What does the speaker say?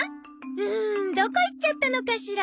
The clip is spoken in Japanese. うんどこいっちゃったのかしら。